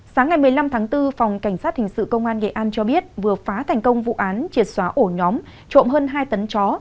sáng ngày một mươi năm tháng bốn phòng cảnh sát hình sự công an nghệ an cho biết vừa phá thành công vụ án triệt xóa ổ nhóm trộm hơn hai tấn chó